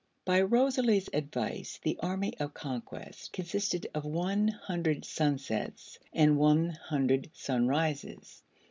By Rosalie's advice the Army of Conquest consisted of one hundred Sunsets and one hundred Sunrises.